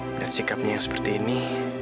melihat sikapnya yang seperti ini